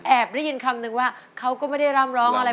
ได้ยินคำนึงว่าเขาก็ไม่ได้ร่ำร้องอะไร